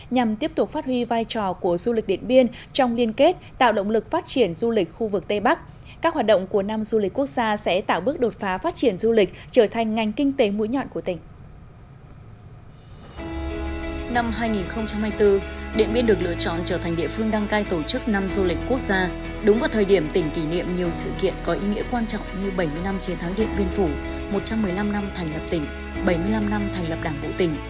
năm hai nghìn hai mươi bốn điện biên được lựa chọn trở thành địa phương đăng cai tổ chức năm du lịch quốc gia đúng vào thời điểm tỉnh kỷ niệm nhiều sự kiện có ý nghĩa quan trọng như bảy mươi năm chiến thắng điện biên phủ một trăm một mươi năm năm thành lập tỉnh bảy mươi năm năm thành lập đảng bộ tỉnh